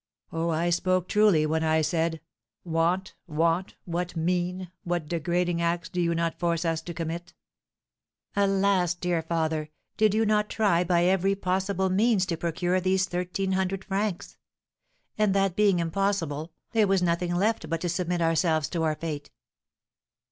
Oh, I spoke truly when I said, 'Want, want, what mean, what degrading acts do you not force us to commit!'" "Alas, dear father, did you not try by every possible means to procure these thirteen hundred francs? And, that being impossible, there was nothing left but to submit ourselves to our fate."